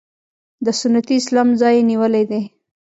د سنتي اسلام ځای یې نیولی دی.